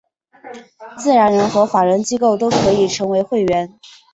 自然人和法人机构都可以成为会员。